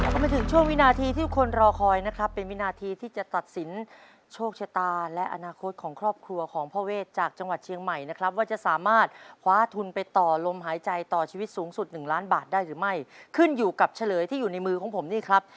ก็มาถึงช่วงวินาทีที่ทุกคนรอคอยนะครับเป็นวินาทีที่จะตัดสินโชคชะตาและอนาคตของครอบครัวของพ่อเวทจากจังหวัดเชียงใหม่นะครับว่าจะสามารถคว้าทุนไปต่อลมหายใจต่อชีวิตสูงสุดหนึ่งล้านบาทได้หรือไม่ขึ้นอยู่กับเฉลยที่อยู่ในมือของผมนี่ครับ